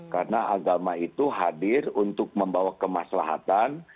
karena agama itu hadir untuk membawa kemaslahatan